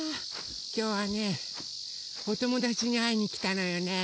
きょうはねおともだちにあいにきたのよね。